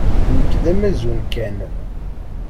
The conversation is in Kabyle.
Nekk d amazun kan.